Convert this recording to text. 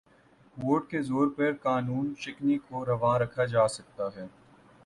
Vote کے زور پر قانون شکنی کو روا رکھا جا سکتا ہے۔